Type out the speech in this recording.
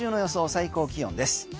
最高気温です。